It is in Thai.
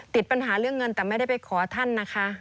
ติดปัญหาเรื่องเงินแต่ไม่ได้ไปขอท่านนะคะ